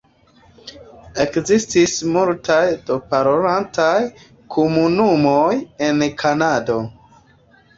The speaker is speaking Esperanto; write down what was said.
Ekzistis multaj da parolantaj komunumoj en Kanado.